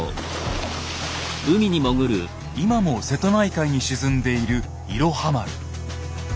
今も瀬戸内海に沈んでいる「いろは丸」。